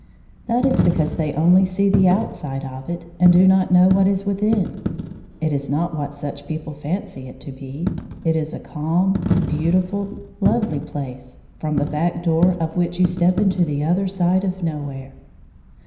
That is because they only see the outside of it, and do not know what is within. It is not what such people fancy it to be ; it is a calm, beautiiul, lovely place, from the back door of which you step into the other side of no where.